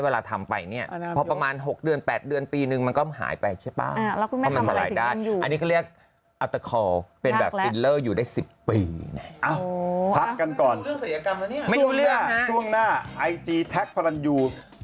พักกันก่อนไม่รู้เรื่องเสียกรรมแล้วเนี่ยช่วงหน้าช่วงหน้าไอจีแท็กพลันยู